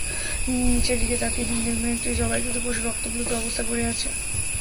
নিচের দিকে তাকিয়ে তিনি দেখবেন, একটি জবাইকৃত পশু রক্তাপ্লুত অবস্থায় পড়ে আছে।